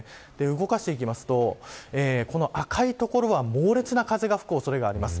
動かしていきますと赤い所は猛烈な風が吹く恐れがあります。